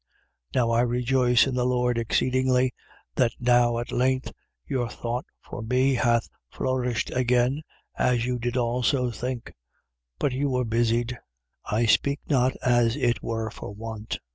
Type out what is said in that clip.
4:10. Now I rejoice in the Lord exceedingly that now at length your thought for me hath flourished again, as you did also think; but you were busied. 4:11. I speak not as it were for want.